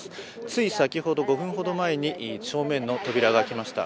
つい先ほど５分ほど前に、正面の扉が開きました。